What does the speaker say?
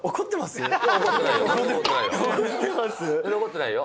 怒ってないよ